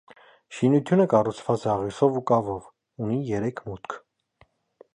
Շինությունը կառուցված է աղյուսով ու կավով, ունի երեք մուտք։